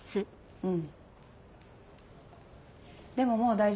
うん。